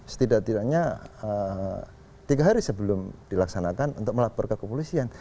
setidak tidaknya tiga hari sebelum dilaksanakan untuk melapor ke kepolisian